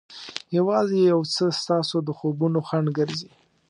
یوازې یو څه ستاسو د خوبونو خنډ ګرځي.